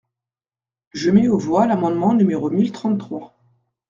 Je mets aux voix l’amendement numéro mille trente-trois.